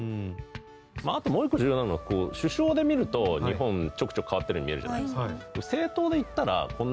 まああともう１個重要なのは首相で見ると日本ちょくちょく変わってるように見えるじゃないですか。